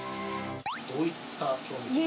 どういった調合？